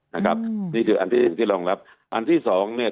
นะครับนี่คืออันที่อื่นที่รองรับอันที่สองเนี่ย